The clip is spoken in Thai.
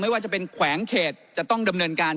ว่าจะเป็นแขวงเขตจะต้องดำเนินการ